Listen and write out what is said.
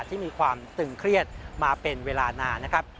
ที่มีความตึงเครียดมาเป็นเวลานานนะครับ